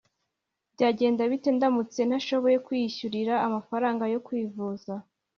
Byagenda bite ndamutse ntashoboye kwiyishyurira amafaranga yo kwivuza